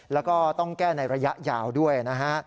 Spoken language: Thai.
แล้วก็ต้องแก้ในระยะยาวด้วยนะฮะ